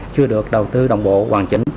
chưa được đầu tư đồng bộ hoàn chỉnh